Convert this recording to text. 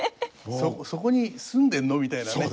「そこに住んでるの？」みたいなね。